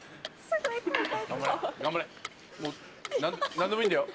何でもいいんだよ